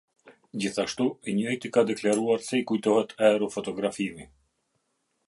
Gjithashtu, i njëjti ka deklaruar se i kujtohet aerofotografimi.